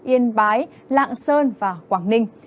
yên bái lạng sơn và quảng ninh